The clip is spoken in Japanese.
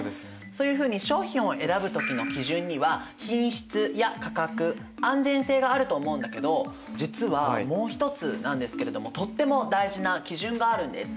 そういうふうに商品を選ぶ時の基準には品質や価格安全性があると思うんだけど実はもう一つなんですけれどもとっても大事な基準があるんです。